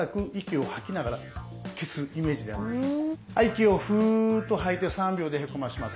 はい息をふっと吐いて３秒でへこませます。